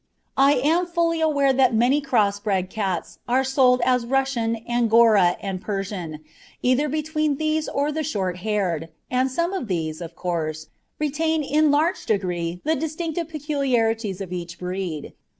I am fully aware that many cross bred cats are sold as Russian, Angora, and Persian, either between these or the short haired, and some of these, of course, retain in large degree the distinctive peculiarities of each breed.